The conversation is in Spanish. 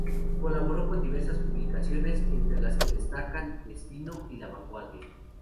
Colaboró con diversas publicaciones, entre las que destacan "Destino" y "La Vanguardia".